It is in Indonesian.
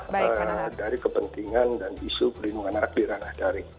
apa dari kepentingan dan isu perlindungan anak di ranah daring